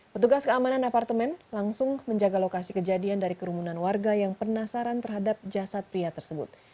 petugas keamanan apartemen langsung menjaga lokasi kejadian dari kerumunan warga yang penasaran terhadap jasad pria tersebut